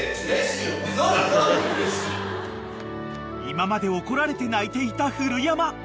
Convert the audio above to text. ［今まで怒られて泣いていた古山］